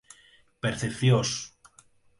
percepções